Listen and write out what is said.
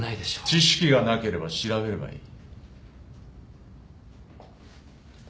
知識がなければ調べればいい。